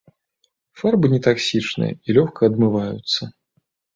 Фарбы не таксічныя і лёгка адмываюцца.